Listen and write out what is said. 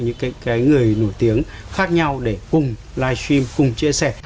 những người nổi tiếng khác nhau để cùng live stream cùng chia sẻ